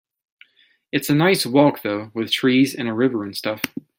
It's a nice walk though, with trees and a river and stuff.